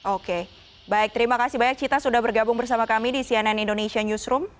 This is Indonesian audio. oke baik terima kasih banyak cita sudah bergabung bersama kami di cnn indonesia newsroom